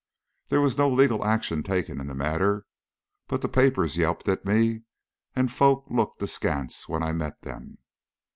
There was no legal action taken in the matter, but the papers yelped at me, and folk looked askance when I met them.